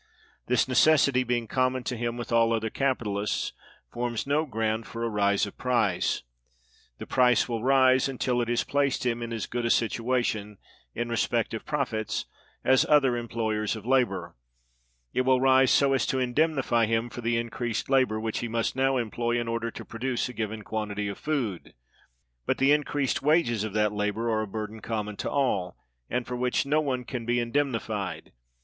This necessity, being common to him with all other capitalists, forms no ground for a rise of price. The price will rise, until it has placed him in as good a situation, in respect of profits, as other employers of labor; it will rise so as to indemnify him for the increased labor which he must now employ in order to produce a given quantity of food; but the increased wages of that labor are a burden common to all, and for which no one can be indemnified.